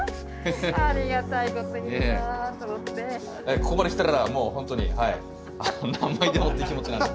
ここまで来たらもうほんとにはい何枚でもって気持ちなんで。